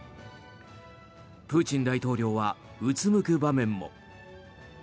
プーチン大統領はうつむく場面も。